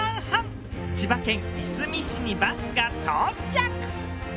千葉県いすみ市にバスが到着。